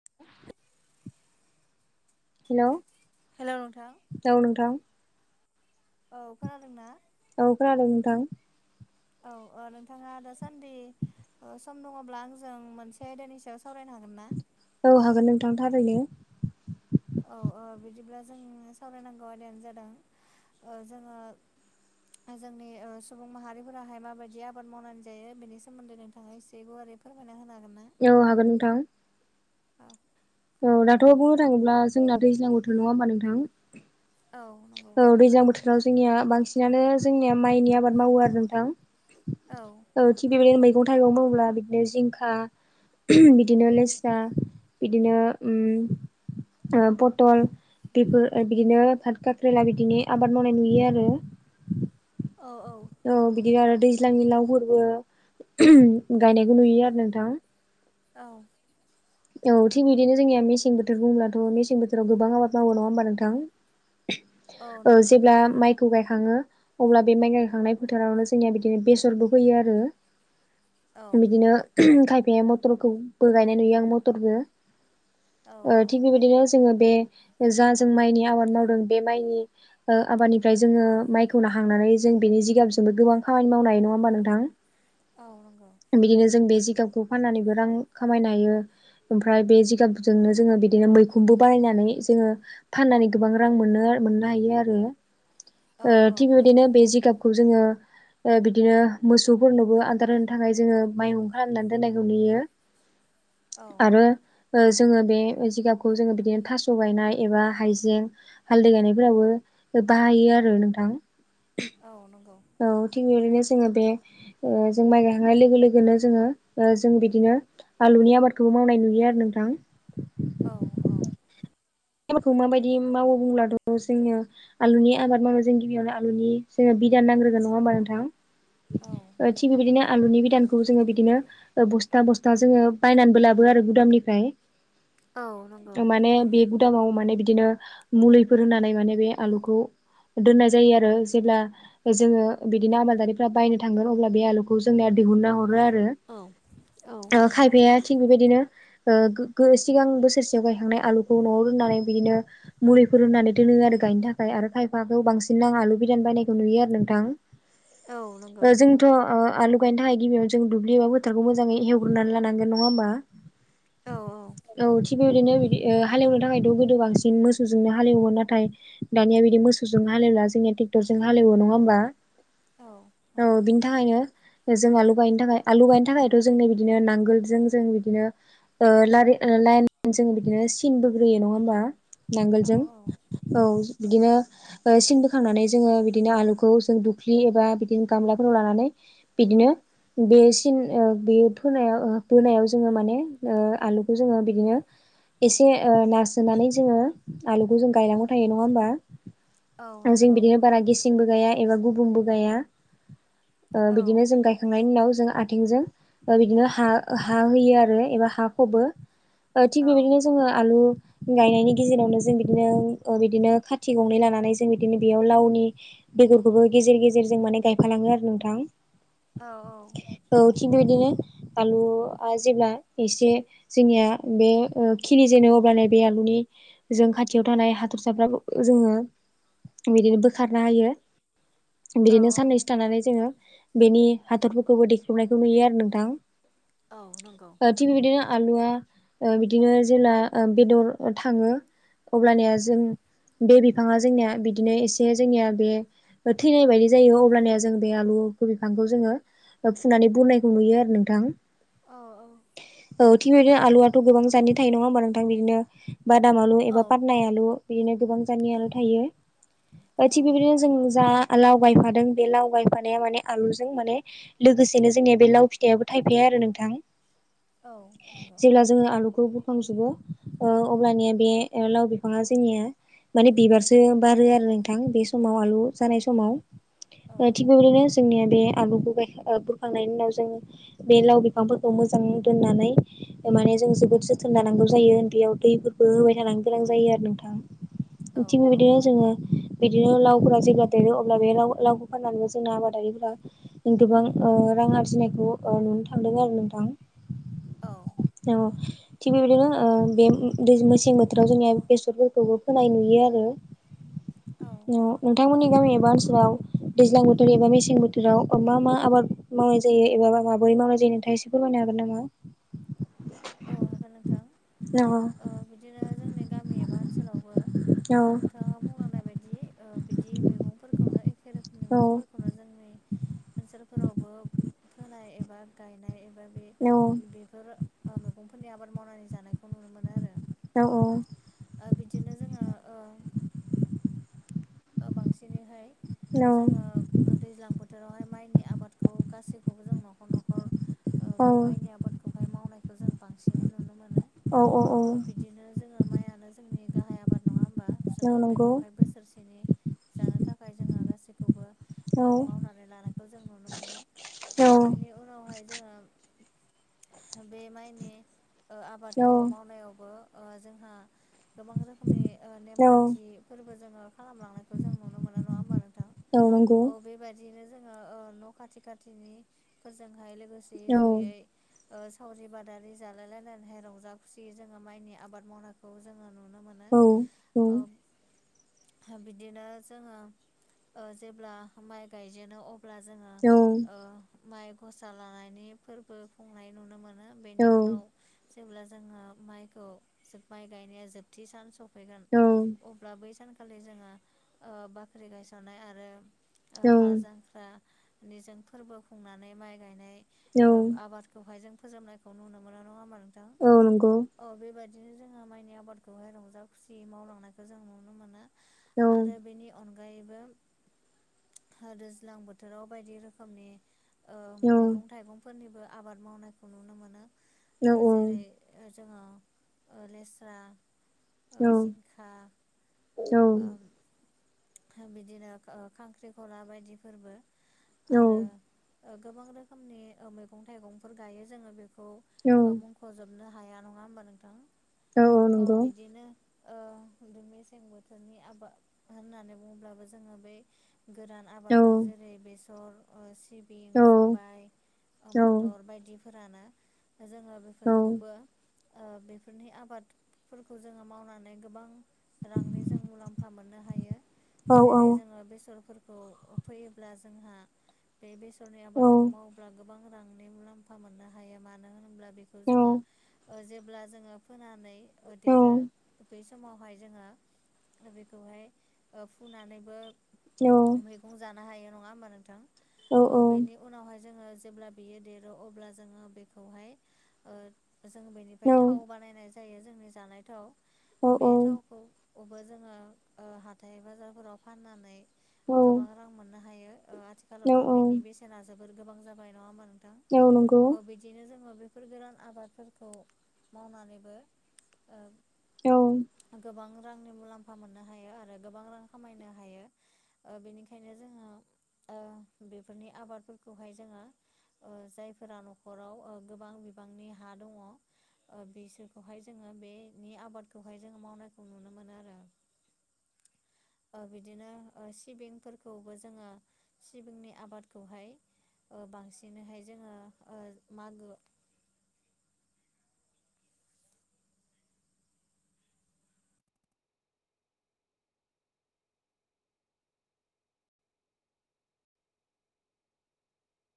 [inaudible] Hello hello नोंथां औ नोंथां औ खोनादों ना औ खोनादों नोंथां औ ओ नोंथाङा दासान्दि ओ सम दङब्ला आंजों मोनसे आयदानि सायाव सावरायनो हागोन ना औ हागोन नोंथां थारैनो औ ओ बिदिब्ला जों सावरायनांगौ आदियानो जादों ओ जोङो [inaudible] आं जोंनि ओ सुबुं माहारिफोराहाय माबायदि आबाद मावनानै जायो बेनि सोमोन्दै नोंथाङा एसे गुवारै फोरमायना होनो हागोनना औ हागोन नोंथां औ। औ दाथ' बुंनो थाङोब्ला जोंना दैज्लां बोथोर नङा होमबा नोंथां? औ। नंगौ औ दैज्लां बोथोराव जोंनिया बांसिनानो जोंनिया माइनि आबाद मावो आरो नोंथां। औ। ओ थि बेबादिनो मैगं थाइगं मावोब्ला बिदिनो जिंखा बिदिनो लेस्रा बिदिनो उम ओ पतल बेफोर बिदिनो भात खाख्रेला बिदिनो आबाद मावनाय नुयो आरो। औ औ। औ बिदिनो आरो दैज्लांनि लावफोरबो गायनायखौ नुयो आरो नोंथां। औ। औ थिग बिदिनो जोंनिया मेसें बोथोर बुङोब्लाथ' मेसें बोथोराव गोबां आबाद मावो नङा होनबा नोंथां? औ ओ नंगौ जेब्ला माइ खौ गायखाङो अब्ला बे माइ गायखांनाय फोथारावनो जोंनिया बिदिनो बेसरबो होयो आरो। [inaudible] बिदिनो खायफाया मटरखौबो गायनाय नुयो आं मटरबो औ ओ औ थिग बेबायदिनो जोङो बे जा जों माइनि आबाद मावदों बे माइनि ओ आबादनिफ्राय जोङो माइखौ नाखांनानै जों बेनि जिगाबजोंबो गोबां खामानि मावनो हायो नङा होमबा नोंथां? औ नंगौ। बिदिनो जों बे जिगाबखौ फाननानैबो रां खामायनो हायो। ओमफ्राय बे जिगाबजोंनो जोङो बिदिनो मैखुनबो बानायनानै जोङो फाननानै गोबां रां मोनो मोननो हायो आरो ओ औ औ थिग नंगौ बेबायदिनो बे जिगाब खौ जोङो ओ बिदिनो मोसौफोरनोबो आदार होनो थाखाय जोङो माइहुं खालामनानै दोननायखौ नुयो। औ आरो ओ जोङो बे जिगाबखौ जोङो बिदिनो थास' गायनाय एबा हाइजें हालदै गायनायफोरावबो बाहायो आरो नोंथां। औ नंगौ। औ थिग बेबायदिनो जोङो बे ओ जों माइ गायखांनाय लोगो लोगोनो जोङो ओ जों बिदिनो आलुनि आबादखौबो मावनाय नुयो आरो नोंथां। औ औ। आलुखौ माबायदि मावो बुंब्लाथ' जोंनिया आलुनि आबाद मावनो जों गिबियावनो आलुनि जोङो बिदान नांग्रोगोन नङा होमबा नोंथां? औ ओ थिग बेबायदिनो आलुनि बिदानखौ जोङो बिदिनो बस्था बस था जोङो बायनानैबो लाबो आरो गुदामनिफ्राय औ नंगौ माने बे गुदामाव माने बिदिनो मुलिफोर होनानै माने बे आलुखौ दोननाय जायो आरो जेब्ला जोङो बिदिनो आबादारिफ्रा बायनो थांगोन अब्ला बे आलुखौ जोंनिया दिहुनना हरो आरो। औ औ ओ खायफाया थिग बेबायदिनो ओ सिगां बोसोरसेयाव गायखांनाय आलुखौ न'आव दोननानै बिदिनो मुलिफोर होनानै दोनो आरो गायनो थाखाय आरो खायफाखौ बांसिन आं आलु बिदान बायनायखौ नुयो आरो नोंथां। औ नंगौ ओ जों थ' ओ आलु गायनो थाखाय गिबियाव जों दुब्लि एबा बोथारखौ मोजाङै हेवग्रोनानै लानांगोन नङा होमबा? औ औ। औ थिग बेबायदिनो बिदि ओ हालेवनो थाखायथ' गोदो बांसिन मोसौजोंनो हालेवोमोन नाथाय दानिया बिदि मोसौजों हालेवला जोंनिया ट्रेक्टरजों हालेवो नङा होमबा? औ औ नंगौ। बिनि थाखायनो जों आलु गायनो थाखाय आलु गायनो थाखायथ' जोंनो बिदिनो नांगोलजों जों बिदिनो ओ लारि लायेन जों बिदिनो सिनबो बोयो नङा होमबा औ नांगोलजों औ औ बिदिनो ओ सिन बोखांनानै जोङो बिदिनो आलुखौ जों दुख्लि एबा बिदिनो गामलाफोराव लानानै बिदिनो बे सिन ओ बे फोनायाव बोनायाव जोङो माने ओ आलुखौ जोङो बिदिनो एसे ओ नारसोनानै जोङो आलुखौ जों गायनांगौ थायो नङा होमबा। औ जों नंगौ बिदिनो बारा गेसेंबो गाया एबा गुबुंबो गाया औ ओ बिदिनो जों गाय थांनायनि उनाव जों आथिंजों बिदिनो हा हा होयो आरो एबा हा फबो। ओ औ थिग बेबायदिनो जोङो आलु गायनायनि गेजेरावनो जों बिदिनो बिदिनो खाथि गंनै लानानै जों बिदिनो बेयाव लावनि बेफोरखौबो गेजेर गेजेरजों माने गायफालाङो आरो नोंथां। औ औ। औ थिग बेबायदिनो आलुआ जेब्ला एसे जोंनिया बे ओ खिलि जेनो अब्लानो बे आलुनि जों खाथियाव थानाय हाथर साफ्राखौ जोङो बिदिनो बोखारना होयो। औ बिदिनो साननैसो थानानै जोङो बेनि हाथरफोरखौबो देख्रेबनायखौ नुयो आरो नोंथां। औ नंगौ। ओ थिग बिदिनो आलुआ ओ बिदिनो जेला ओ बेदर थाङो अब्लानिया जों बे बिफाङा जोंनिया बिदिनो एसे जोंनिया बे थैनाय बायदि जायो अब्लानिया जों बे आलुखौ बिफांखौ जोङो फुनानै बुरनायखौ नुयो आरो नोंथां। औ औ। औ थिग बिदिनो आलुआथ' गोबां जातनि थायो नङा होमबा नोंथां। बिदिनो बादाम आलु औ एबा पाथनाय आलु बिदिनो गोबां जातनि आलु थायो। औ थिग बेबायदिनो जों जा लाव गायफादों बे लाव गायफानाया माने आलुजों माने लोगोसेनो जोंनिया बे लाव फिथाइयाबो थायफाया आरो नोंथां। औ नंगौ जेब्ला जोङो आलुखौ बु बुरखांजोबो अब्लानिया बे लाव बिफाङा जोंनिया माने बिबारसो बारो आरो नोंथां बे समाव आलु औ जानाय समाव। थिग बेबायदिनो जोंनिया बे आलुखौ गाय ओ बुरखांनायनि उनाव जोङो बे लाव बिफांफोरखौ मोजां दोननानै माने जों जोबोद जो थोन लानांगौ जायो उन्दैयाव दैफोरफोरखौबो होबाय थानो गोनां जायो आरो नोंथा। थिग बेबादि जोङो बिदिनो लावफोरा जेब्ला देरो अब्ला बे लाव लावखौ फाननानैबो जोंना आबादारिफोरा गोबां ओ रां आरजिनायखौ ओ नुनो थांदों आरो नोंथां। औ। औ। थिग बेबायदिनो ओ बे दै मेसें बोथोराव जोंनिया बेसरफोरखौबो फोनाय नुयो आरो। औ। नोंथांमोननि गामि एबा ओनसोलाव दैज्लां बोथोर एबा मेसें बोथोराव मा मा आबाद मावनाय जायो एबाा माबोरै मावनाय जायो नोंथाङा एसे फोरमायनो हागोन नामा? औ हागोन नोंथां। नामा? औ बिदिनो जोंनि गामि एबा ओनसोलावबो औ ओ नोंथाङा बुंलांनाय बायदि ओ बिदि मैगंफोरखौनो एखे रोखोमनि औ मैगंफोरखौनो जोंनि ओनसोलफोरावबो फोनाय एबा गायनाय एबा बे औ बेफोर ओ मैगंफोरनि आबाद मावनानै जानायखौ नुनो मोनो आरो। औ औ। ओ बिदिनो जोङो ओ बांसिनैहाय औ जोङो दैज्लां बोथोरावहाय माइनि आबादखौ गासैखौबो जों न'खर न'खर ओ बे माइनि आबादखौहाय मावनायखौ जों बांसिनै नुनो मोन औ औ। ओ बिदिनो जोङो माइआनो जोंनि गाहाय आबाद नङा ओमबा जोङो नंगौ बेखौहाय बोसोरसेनि जानो थाखाय जोङो गासैखौबो औ ओ माव आरो लानायखौ जों नुनो मोनो औ ओ बेनि उनावहाय जोङो बे माइनि ओ औ आबादखौ मावनायावबो ओ जोंहा गोबां रोखोमनि ओ औ नेमखान्थि फोरबो जोङो खालामलांनायखौ जों नुनो मोनो नङा ओमबा नोंथां नंगौ औ बेबाद दिनो जोङो ओ न' खाथि खाथिनि फोरजोंहाय लोगोसे औ जयै ओ सावरि बादारि जालाय लायलायनानैहाय रंजा खुसि जोङो माइनि आबाद मावनायखौ जोङो नुनो मोन नो औ औ ओम बिदिनो जोङो ओ जेब्ला माइ गायजेनो अब ब्ला जोङो ओ माइ गसा लानायनि फोरबो खुंनाय नुनो मोन नो बेनि उनाव जेब्ला जोङो माइखौ माइ गायनाया जोबथि सान स फैगोन अब्ला बै सानखालि जोङो ओ बाख्रि गायस'नाय आरो ओ औ हाल जांख्रानि जों फोरबो खुंनानै माइ गायनाय औ ओ आबाद खौहायजों फोजोबनायखौ नुनो मोना नङा ओमबा नोंथां औ नंगौ। अ बेबायदिनो जोङो माइनि आबादखौहाय रंजा खुसि मावलांनायखौ जों नुनो मोनो। औ आरो बेनि अनगायैबो था दैज्लां बोथोराव बायदि रोखोमनि ओम औ मैगं थाइगंफोरनिबो आबाद मावनायखौ नुनो मोनो औ ओ जेरै ओ जोंहा ओ लेस्रा ओ औ जिंखा औ ओम ओ बिदिनो खांख्रिखला बायदि फोरबो आरो ओ गोबां रोखोमनि ओ मैगं थाइगंफोर गायो जोङो बेखौ औ ओ मुं फजोबनो हाया नङा ओमबा नोंथां औ बिदिनो ओ मेसें बोथोरनि आबाद होननानै बुङोलाबो जोङो बै गोरान औ आबादफोर जेरै बेसर ओ सिब बिन औ सबाय औ मथर बायदिफोर ना जोंङो बेफ औ फोरखौबो ओ बेफोरनि आबादफोरखौ जोङो मावनानै गोबां रांनि जों मुलाम्फा मोननो हायो औ औ जेरै जोङो बेसरफोर खौ फैयोब्ला जोंहा बे बेसरनि आबादखौ मावोब्ला गोबां रांनि मुलाम्फा फा मोननो हायो मानो होनोब्ला बेखौ जोङो ओ जेब्ला जोङो फोनानै ओ देरो बैस समावहाय जोङो बेखौहाय ओ फुनानैबो मै जानो हायो नङा ओमबा नोंथां अ बेनि उनावहाय जोङो जेब्ला बियो देरो अब्ला जोङो बेखौहाय ओ जों बेनिफ्राय औ थाव बानायनाय जायो जोंनि जानाय थाव बे थावखौ खौबो जोङो ओ हाथाइ बाजारफोराव फाननानै गोबां रां मोननो हायो ओ आथिखालावथ' बेनि बेसेना जोबोद गोबां जाबाय नङा ओमबा नोंथां? औ नंगौ अ बिदिनो जोङो बेफोर गोरान आबादफोरखौ मावनानैबो ओ औ गोबां रांनि मुलाम्फा मोननो हायो आरो गोबां रां खामायनो हायो। ओ बेनिखायनो जोङो ओ बेफोरनि आबादफोरखौहाय जोङो ओ जायफोरा न'खराव ओ गोबां बिबांनि हा दङ। ओ बिसोरखौहाय जोङो बे नि आबादखौहाय जोङो मावनायखौ नुनो मोनो आरो ओ बिदिनो सिबिंफोरखौबो जोङो सिबिंनि आबादखौहाय ओ बांसिनैहाय जोङो ओ मागो